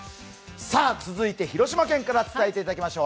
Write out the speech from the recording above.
続いて広島県から伝えていただきましょう。